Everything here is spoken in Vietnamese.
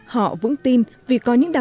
họ vững tin vì có những đặc biệt